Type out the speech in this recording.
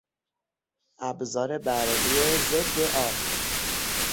ابزار برقی ضد آب